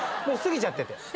もう過ぎちゃってて。